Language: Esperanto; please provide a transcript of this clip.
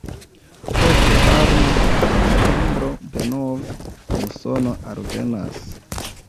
Post varma septembro denove musono alvenas.